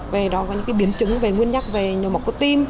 về đó có những biến chứng về nguyên nhắc về nhồi máu cơ tim